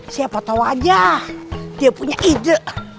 siapa tahu aja dia punya ide